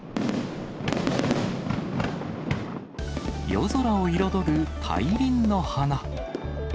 夜空を彩る大輪の花。